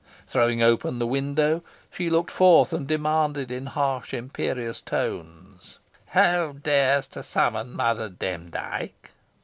Throwing open the window, she looked forth, and demanded in harsh imperious tones "Who dares to summon Mother Demdike?"